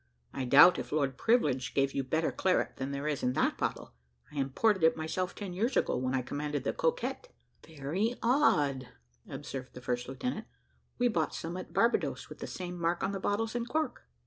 I doubt if Lord Privilege gave you better claret than there is in that bottle: I imported it myself ten years ago, when I commanded the Coquette." "Very odd," observed the first lieutenant "we bought some at Barbadoes with the same mark on the bottles and cork."